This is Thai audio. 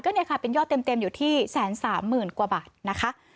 นี่ค่ะเป็นยอดเต็มอยู่ที่๑๓๐๐๐กว่าบาทนะคะ